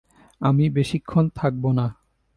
আমি বেশীক্ষণ থাকবো না।